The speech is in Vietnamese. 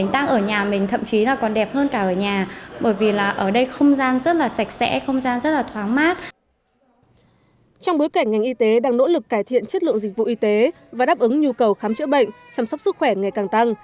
trong bối cảnh ngành y tế đang nỗ lực cải thiện chất lượng dịch vụ y tế và đáp ứng nhu cầu khám chữa bệnh chăm sóc sức khỏe ngày càng tăng